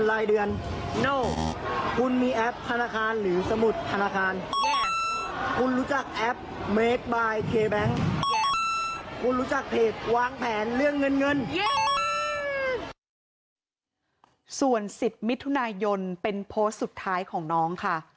ส่วน๑๐มิถุนายนเป็นโพสต์สุดท้ายของน้องค่ะ